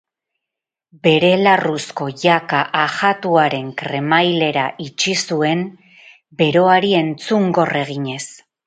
Bere larruzko jaka ajatuaren kremailera itxi zuen beroari entzungor eginez.